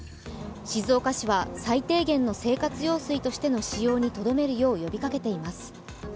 静岡市は最低限の生活用水としての使用にとどめるように呼びかけています。